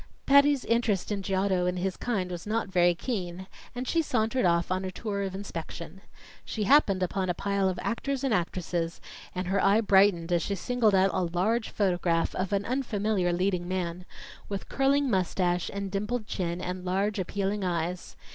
Patty's interest in Giotto and his kind was not very keen, and she sauntered off on a tour of inspection. She happened upon a pile of actors and actresses, and her eye brightened as she singled out a large photograph of an unfamiliar leading man, with curling mustache and dimpled chin and large appealing eyes.